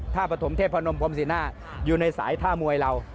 ท่าประถมเทพพนมความสินะอยู่ในสายท่ามวยเรา